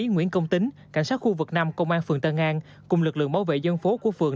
nguyễn công tính cảnh sát khu vực năm công an phường tân an cùng lực lượng bảo vệ dân phố của phường